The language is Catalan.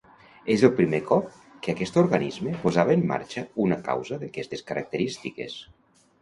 És el primer cop que aquest organisme posava en marxa una causa d'aquestes característiques?